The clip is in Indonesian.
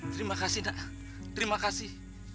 terima kasih nak terima kasih